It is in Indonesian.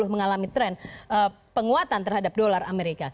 mengalami tren penguatan terhadap dolar amerika